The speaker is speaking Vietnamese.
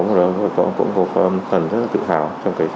một phần rất là tự hào